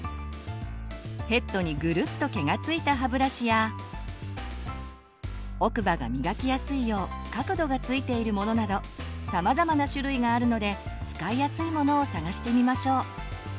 ヘッドにグルッと毛が付いた歯ブラシや奥歯がみがきやすいよう角度がついているものなど様々な種類があるので使いやすいものを探してみましょう。